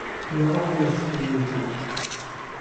Maɣef ay t-yetti Yidir?